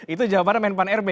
itu jawabannya men pan r b